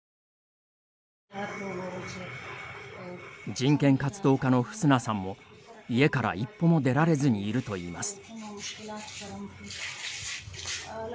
人権活動家のフスナさんも家から一歩も出られずにいるといいます。